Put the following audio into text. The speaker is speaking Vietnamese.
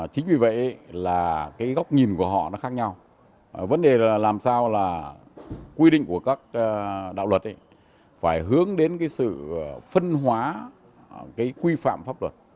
chính vì vậy là cái góc nhìn của họ nó khác nhau vấn đề là làm sao là quy định của các đạo luật phải hướng đến cái sự phân hóa cái quy phạm pháp luật